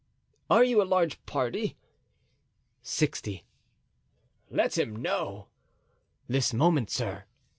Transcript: "Are you a large party?" "Sixty." "Let him know." "This moment, sir."